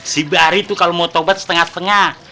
si bari itu kalau mau tobat setengah setengah